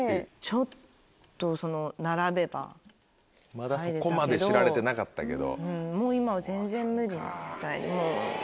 まだそこまで知られてなかったけど。